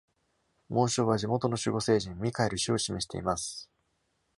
紋章は地元の守護聖人ミカエル氏を示しています。